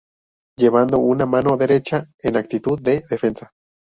Llevando una mano derecha en actitud de defensa.